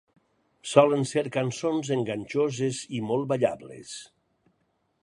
Solen ser cançons enganxoses i molt ballables.